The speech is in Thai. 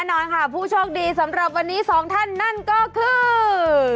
แน่นอนค่ะผู้โชคดีสำหรับวันนี้สองท่านนั่นก็คือ